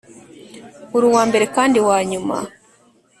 uri uwambere kandi wanyuma.